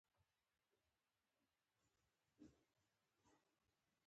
ډګروال خواجه محمد خان د اردو پخوانی افسر و.